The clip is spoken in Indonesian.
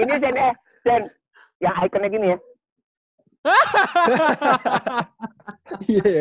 ini cen cen yang ikonnya gini ya